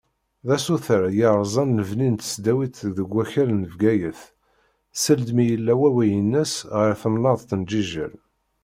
D asuter i yerzan lebni n tesdawit deg wakal n Bgayet seld mi yella wawway-ines ɣer temnaḍt n Jijel.